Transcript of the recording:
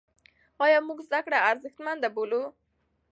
ایا موږ زده کړه ارزښتمنه بولو؟